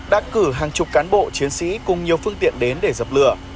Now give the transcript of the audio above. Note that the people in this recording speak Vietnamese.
đã cử hàng chục cán bộ chiến sĩ cùng nhiều phương tiện đến để dập lửa